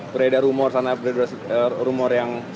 beredar rumor sana beredar rumor yang